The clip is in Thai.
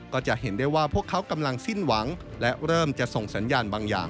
ก็จะเห็นได้ว่าพวกเขากำลังสิ้นหวังและเริ่มจะส่งสัญญาณบางอย่าง